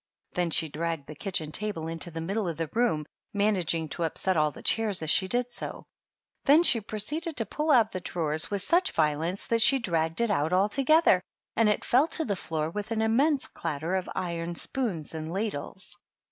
Then she dragged the kitchen table into the middle of the room, managing to upset all the chairs as she did so; then she proceeded to pull out the drawer with such violence that she dragged . it out altogether, and it fell to the floor with an immense clatter of iron spoons and ladles.